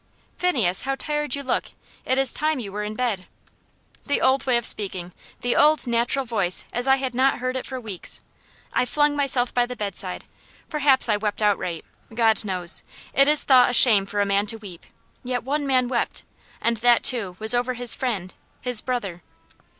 "Phineas, how tired you look; it is time you were in bed." The old way of speaking the old, natural voice, as I had not heard it for weeks. I flung myself by the bed side perhaps I wept outright God knows! It is thought a shame for a man to weep; yet One Man wept, and that too was over His friend His brother.